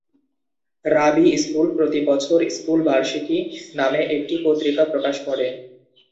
রাবি school প্রতি বছর school বার্ষিকী নামে একটি পত্রিকা প্রকাশ করে।